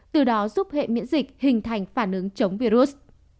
từ đó giúp hệ miễn dịch hình thành phản ứng chống virus